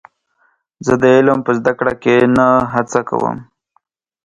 زه د علم په زده کړه کې نه هڅه کوم.